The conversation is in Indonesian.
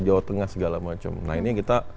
jawa tengah segala macam nah ini yang kita